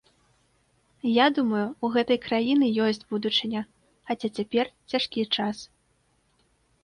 Я думаю, у гэтай краіны ёсць будучыня, хаця цяпер цяжкі час.